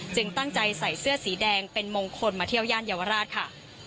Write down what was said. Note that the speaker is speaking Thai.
ตั้งใจใส่เสื้อสีแดงเป็นมงคลมาเที่ยวย่านเยาวราชค่ะ